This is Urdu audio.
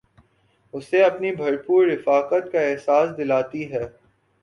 اُسے اپنی بھر پور رفاقت کا احساس دلاتی ہے